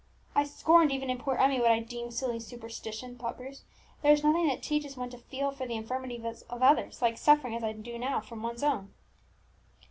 "I scorned, even in poor Emmie, what I deemed silly superstition," thought Bruce. "There is nothing that teaches one to feel for the infirmities of others like suffering, as I now do, from one's own."